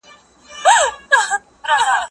زه اوس لاس پرېولم!.